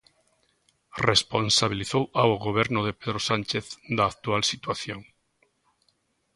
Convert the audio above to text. Responsabilizou ao Goberno de Pedro Sánchez da actual situación.